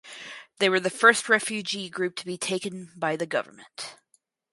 They were the first refugee group to be taken by the government.